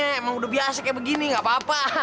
emang udah biasa kayak begini enggak apa apa